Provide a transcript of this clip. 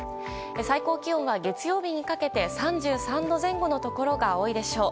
最高気温は月曜日にかけて３３度前後のところが多いでしょう。